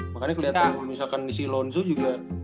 makanya keliatan misalkan di si lonto juga